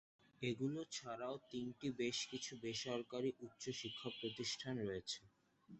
এগুলো ছাড়াও তিনটি বেশ কিছু বেসরকারি উচ্চ শিক্ষা প্রতিষ্ঠান রয়েছে।